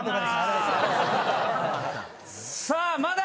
さぁまだ！